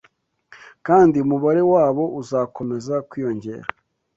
kandi umubare wabo uzakomeza kwiyongera